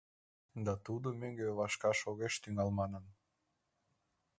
— Да тудо мӧҥгӧ вашкаш огеш тӱҥал манын...